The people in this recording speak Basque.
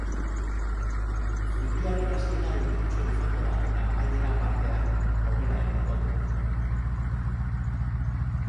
Zubiaren hasiera euritsua izango da eta amaiera partean, hobera egingo du.